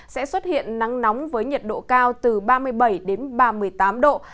sẽ xuất hiện nắng nóng với nhiệt độ cao từ ba mươi bảy đến ba mươi tám độ